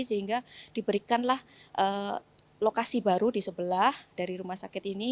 sehingga diberikanlah lokasi baru di sebelah dari rumah sakit ini